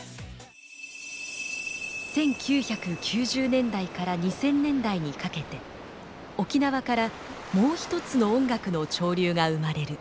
１９９０年代から２０００年代にかけて沖縄からもう一つの音楽の潮流が生まれる。